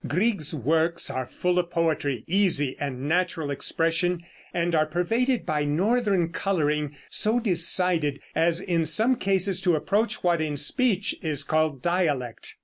Grieg's works are full of poetry, easy and natural expression, and are pervaded by northern coloring, so decided as in some cases to approach what in speech is called dialect.